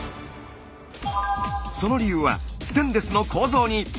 その理由はステンレスの構造に。